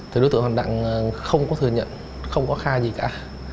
thì đối tượng hoàng đặng không có thừa nhận không có khai gì cả